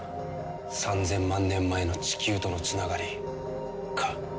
３，０００万年前の地球とのつながりか。